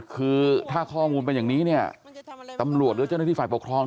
คือถ้าข้อมูลเป็นอย่างนี้เนี่ยตำรวจหรือเจ้าหน้าที่ฝ่ายปกครอง